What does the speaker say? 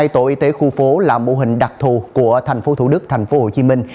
hai trăm linh hai tổ y tế khu phố là mô hình đặc thù của tp thủ đức tp hồ chí minh